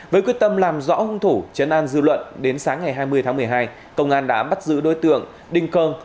với quyết tâm làm rõ hung thủ chấn an dư luận đến sáng ngày hai mươi tháng một mươi hai công an đã bắt giữ đối tượng đinh cơm